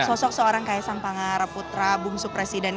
sosok seorang kaisang pangaraputra bumsu presiden